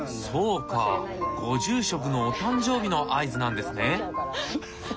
そうかご住職のお誕生日の合図なんですね。